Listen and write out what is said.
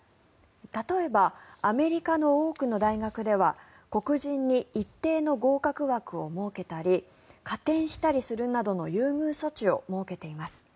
例えばアメリカの多くの大学では黒人に一定の合格枠を設けたり加点したりするなどの優遇措置を設けています。